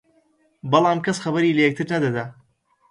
بەڵام کەس خەبەری لە یەکتر نەدەدا